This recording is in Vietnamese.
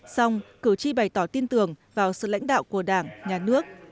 sau đó cử tri bày tỏ tin tưởng vào sự lãnh đạo của đảng nhà nước